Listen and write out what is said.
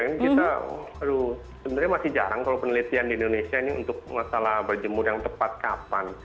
ini kita aduh sebenarnya masih jarang kalau penelitian di indonesia ini untuk masalah berjemur yang tepat kapan